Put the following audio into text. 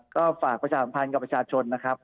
ก็ฝากประชาสัมพันธ์กับประชาชนนะครับ